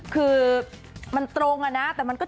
คือมันตรงอะนะ